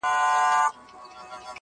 گوره را گوره وه شپوږمۍ ته گوره